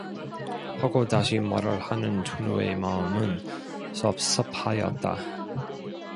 하고 다시 말을 하는 춘우의 마음은 섭섭하였다.